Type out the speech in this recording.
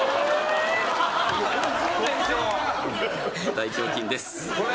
大胸筋です。